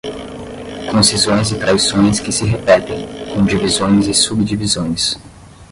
com cisões e traições que se repetem, com divisões e subdivisões